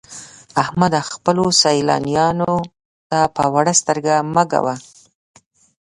احمده! خپلو سيالانو ته په وړه سترګه مه ګوه.